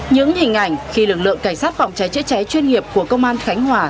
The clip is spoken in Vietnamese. những hình ảnh khi lực lượng cảnh sát phòng cháy chữa cháy chuyên nghiệp của công an khánh hòa